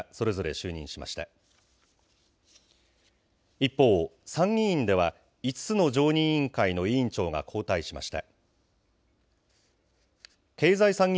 一方、参議院では、５つの常任委員会の委員長が交代しました。